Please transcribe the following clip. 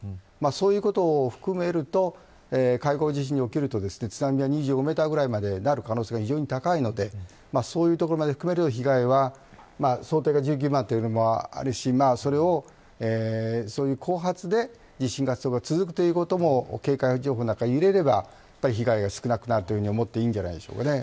そういうことを含めると海溝地震におけると津波が２５メートルぐらいになる可能性が高いのでそういうところまで被害は想定１９万というのもあるし後発で地震が続くということも警戒情報の中に入れれば被害が少なくなると思っていいんじゃないでしょうかね。